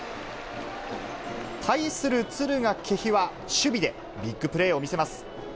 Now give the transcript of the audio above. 対する敦賀気比は守備でビッグプレーを見せます。